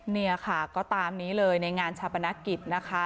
เนี่ยค่ะก็ตามนี้เลยในงานชาปนกิจนะคะ